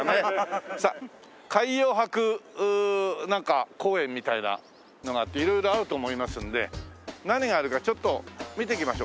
さあ海洋博公園みたいなのがあって色々あると思いますので何があるかちょっと見ていきましょう。